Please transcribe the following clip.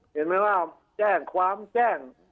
เห็นไหมว่าแจ้งความแจ้ง